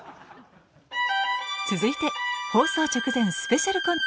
続いて放送直前スペシャルコント